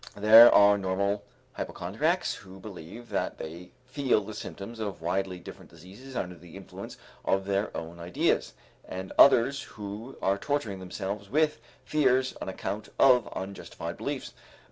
There are normal hypochondriacs who believe that they feel the symptoms of widely different diseases under the influence of their own ideas, and others who are torturing themselves with fears on account of unjustified beliefs.